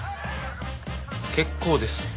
結構です。